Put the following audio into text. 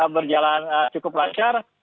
berjalan cukup lancar